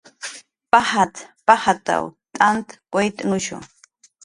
"Pajat"" pajat""w t'ant kuytnushu"